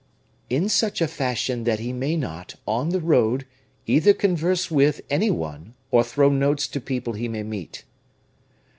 "In such a fashion that he may not, on the road, either converse with any one or throw notes to people he may meet."